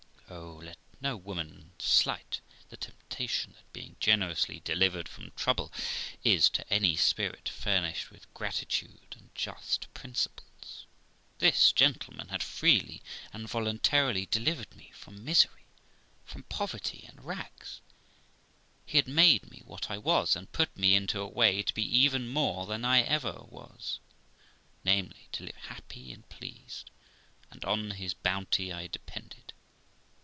Oh ! let no woman slight the temptation that being generously delivered from trouble is to any spirit furnished with gratitude and just principles. This gentleman had freely and voluntarily delivered me from misery, from poverty, and rags; he had made me n hat I was, and put me into a way to be even more than I ever was, namely, to live happy and pleased, and on his bounty I depended.